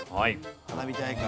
花火大会。